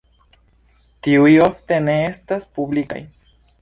Tiuj ofte ne estas publikaj.